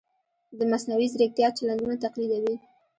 د مصنوعي ځیرکتیا چلندونه تقلیدوي.